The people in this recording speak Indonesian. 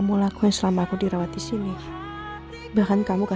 bu mayang juga jaga kesehatan ya